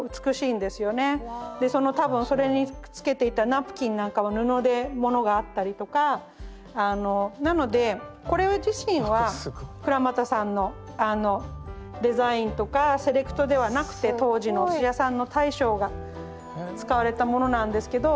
その多分それにくっつけていたナプキンなんかは布でものがあったりとかあのなのでこれ自身は倉俣さんのデザインとかセレクトではなくて当時のお寿司屋さんの大将が使われたものなんですけど